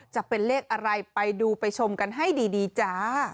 จะเป็นเลขอะไรไปดูไปชมกันให้ดีจ้า